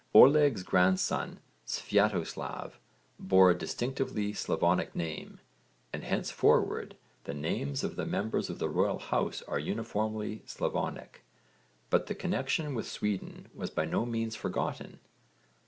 Oleg's grandson Svjatoslav bore a distinctively Slavonic name, and henceforward the names of the members of the royal house are uniformly Slavonic, but the connexion with Sweden was by no means forgotten.